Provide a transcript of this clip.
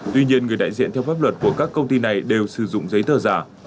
tuy nhiên người đại diện theo pháp luật của các công ty này đều sử dụng giấy tờ giả